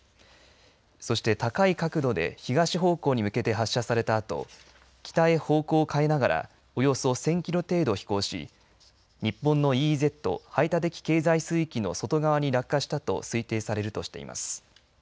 そして高い角度で東方向に向けて発射されたあと北へ方向を変えながらおよそ１０００キロ程度飛行し日本のＥＥＺ排他的経済水域の外側に落下したと推定されるとしています。